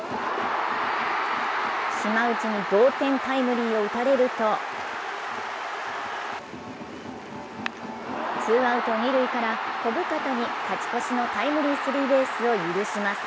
島内に同点タイムリーを打たれるとツーアウト二塁から小深田に勝ち越しのタイムリースリーベースを許します。